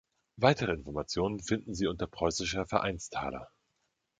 Weitere Informationen finden Sie unter Preußischer Vereinsthaler.